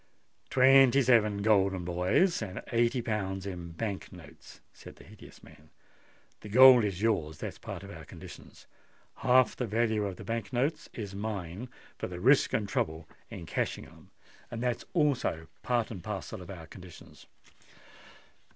"Twenty seven golden boys, and eighty pounds in Bank notes," said the hideous man. "The gold is yours—that's part of our conditions: half the value of the Bank notes is mine, for the risk and trouble in cashing them—that's also part and parcel of our conditions.